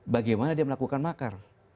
bagaimana dia melakukan makar